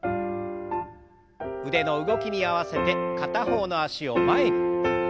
腕の動きに合わせて片方の脚を前に。